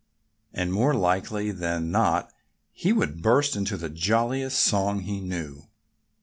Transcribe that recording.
And more likely than not he would burst into the jolliest song he knew.